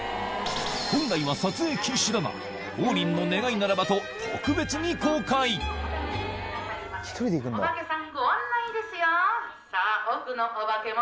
本来は撮影禁止だが王林の願いならばと特別に公開いってきます！